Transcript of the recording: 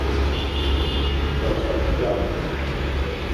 Дҭархатәӡам!